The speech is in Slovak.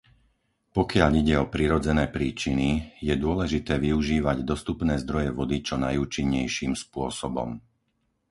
Pokiaľ ide o prirodzené príčiny, je dôležité využívať dostupné zdroje vody čo najúčinnejším spôsobom.